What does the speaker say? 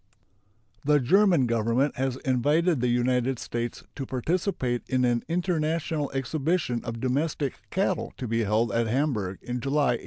The German Government has invited the United States to participate in an international exhibition of domestic cattle to be held at Hamburg in July, 1883.